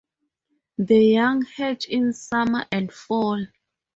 The young hatch in summer and fall.